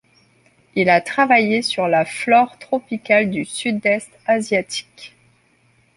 Il a travaillé sur la flore tropicale du sud-est asiatique.